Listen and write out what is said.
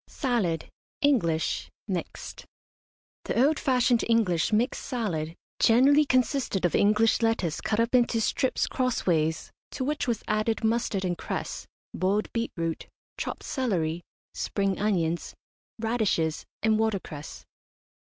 SALAD, ENGLISH, MIXED. The old fashioned English mixed salad generally consisted of English lettuce cut up into strips crossways, to which was added mustard and cress, boiled beetroot, chopped celery, spring onions, radishes, and watercress.